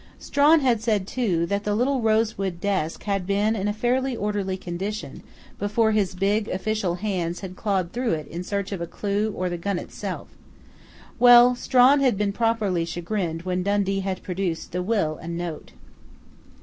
Strawn had said, too, that the little rosewood desk had been in a fairly orderly condition, before his big, official hands had clawed through it in search of a clue or the gun itself.... Well, Strawn had been properly chagrined when Dundee had produced the will and note....